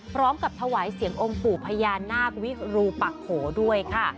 พร้อมกับถวายเสียงองค์ปู่พญานาควิรูปักโขด้วยค่ะ